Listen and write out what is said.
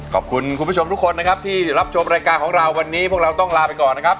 ขอบคุณคุณผู้ชมทุกคนนะครับที่รับชมรายการของเราวันนี้พวกเราต้องลาไปก่อนนะครับ